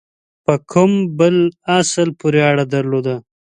په کوم بل اصل پوري اړه درلوده.